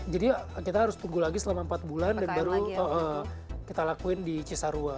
jadi kita harus tunggu lagi selama empat bulan dan baru kita lakuin di cisarua